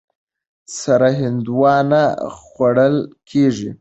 سره هندوانه خوړل کېږي.